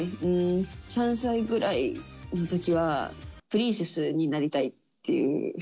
うーん、３歳ぐらいのときは、プリンセスになりたいっていう。